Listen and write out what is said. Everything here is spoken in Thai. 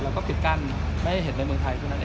แล้วก็ปิดกั้นไม่ให้เห็นในเมืองไทยเท่านั้นเอง